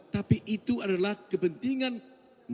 tapi itu adalah kepentingan dari dua